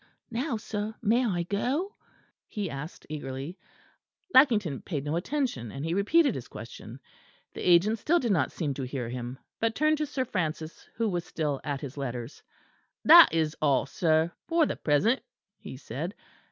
"Now, sir; may I go?" he asked eagerly. Lackington paid no attention, and he repeated his question. The agent still did not seem to hear him, but turned to Sir Francis, who was still at his letters. "That is all, sir, for the present," he said.